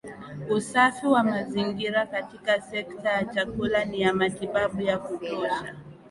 Usafi wa mazingira katika sekta ya chakula ni ya matibabu ya kutosha